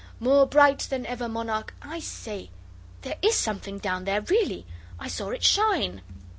more bright than ever monarch I say, there is something down there, really. I saw it shine!